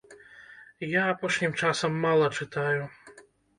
Я апошнім часам мала чытаю.